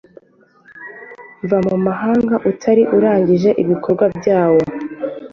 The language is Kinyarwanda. mvamahanga utari urangije ibikorwa byawo